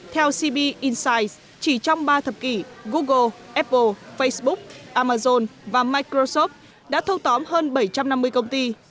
theo cb insis chỉ trong ba thập kỷ google apple facebook amazon và microsoft đã thâu tóm hơn bảy trăm năm mươi công ty